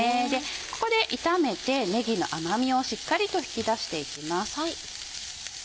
ここで炒めてねぎの甘みをしっかりと引き出していきます。